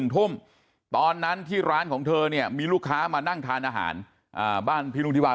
ทุ่มตอนนั้นที่ร้านของเธอเนี่ยมีลูกค้ามานั่งทานอาหารบ้านพี่รุ่งธิวา